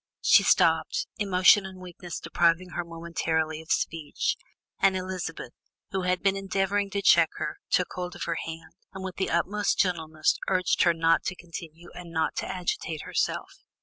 She stopped, emotion and weakness depriving her momentarily of speech, and Elizabeth, who had been endeavouring to check her, took hold of her hand, and with the utmost gentleness begged her not to continue and not to agitate herself.